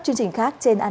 tin tức kp hacia nam